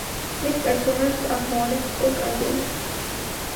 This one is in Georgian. მის პერსონაჟს ახმოვანებს პოლ კანდელი.